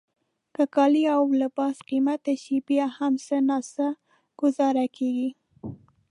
که کالي او لباس قیمته شي بیا هم څه ناڅه ګوزاره کیږي.